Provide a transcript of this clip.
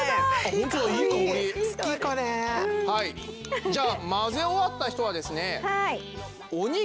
はいじゃあ混ぜ終わった人はですね中に？